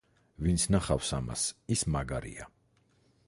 ვინც ნახავს ამას ის მაგარია